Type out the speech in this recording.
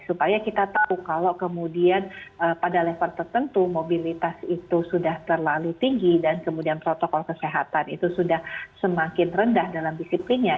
supaya kita tahu kalau kemudian pada level tertentu mobilitas itu sudah terlalu tinggi dan kemudian protokol kesehatan itu sudah semakin rendah dalam disiplinnya